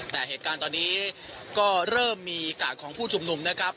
แต่เหตุการณ์ตอนนี้ก็เริ่มมีกาดของผู้ชุมนุมนะครับ